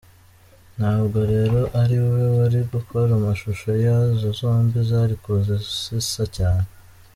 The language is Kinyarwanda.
Ntabwo rero ari we wari gukora amashusho yazo zombi zari kuza zisa cyane.